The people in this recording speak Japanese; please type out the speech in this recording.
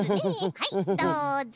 はいどうぞ。